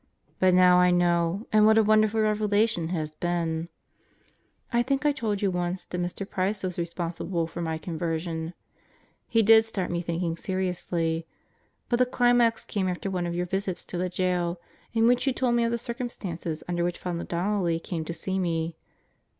But now I know and what a wonderful revelation it has been. I think I told you once that Mr. Price was responsible for my conversion. He did start me thinking seriously. But the climax came after one of your visits to the jail in which you told me of the circumstances under which Father Donnelly came to see me.